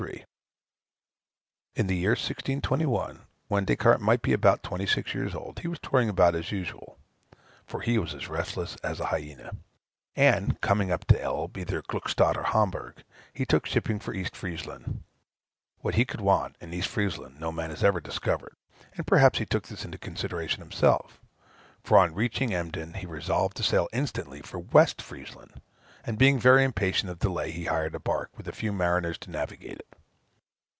p. 102 3. In the year 1621, when Des Cartes might be about twenty six years old, he was touring about as usual, (for he was as restless as a hyæna,) and, coming to the Elbe, either at Gluckstadt or at Hamburgh, he took shipping for East Friezland: what he could want in East Friezland no man has ever discovered; and perhaps he took this into consideration himself; for, on reaching Embden, he resolved to sail instantly for West Friezland; and being very impatient of delay, he hired a bark, with a few mariners to navigate it.